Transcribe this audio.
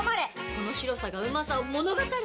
この白さがうまさを物語る。